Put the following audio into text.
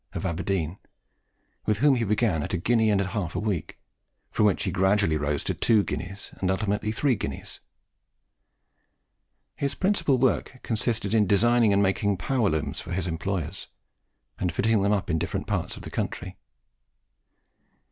of Aberdeen, with whom he began at a guinea and a half a week, from which he gradually rose to two guineas, and ultimately to three guineas. His principal work consisted in designing and making power looms for his employers, and fitting them up in different parts of the country.